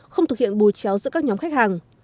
không thực hiện bù chéo giữa các nhóm khách hàng